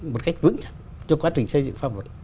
một cách vững chắc cho quá trình xây dựng pháp luật